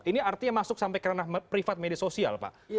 ini artinya masuk sampai kerana privat media sosial pak